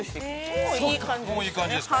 ◆もういい感じですか。